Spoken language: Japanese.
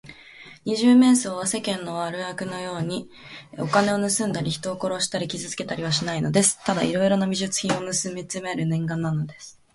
二十面相は、世間の悪漢のように、お金をぬすんだり、人を殺したり、傷つけたりはしないのです。ただいろいろな美術品をぬすみあつめるのが念願なのです。